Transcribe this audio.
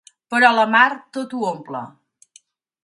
Però la Mar tot ho omple.